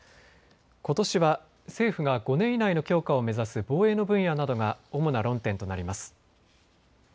ことしは政府が５年以内の強化を目指す防衛の分野などが主な論点となります。